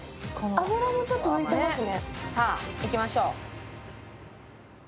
脂もちょっと浮いてますね。